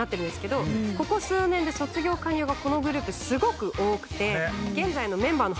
ここ数年で卒業加入がこのグループすごく多くて。